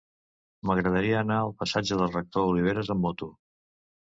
M'agradaria anar al passatge del Rector Oliveras amb moto.